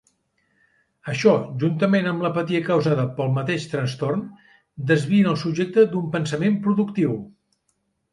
Això, juntament amb l'apatia causada pel mateix trastorn, desvien el subjecte d'un pensament productiu.